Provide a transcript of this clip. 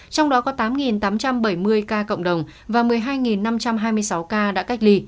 trong đó có tám tám trăm bảy mươi ca cộng đồng và một mươi hai năm trăm hai mươi sáu ca